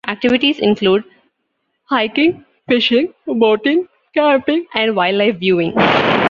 Activities include hiking, fishing, boating, camping, and wildlife viewing.